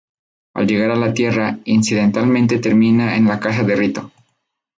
Al llegar a la Tierra, incidentalmente termina en la casa de Rito.